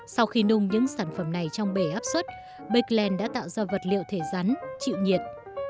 sau khi nung những sản phẩm này trong bể áp suất becland đã tạo ra vật liệu thể rắn chịu nhiệt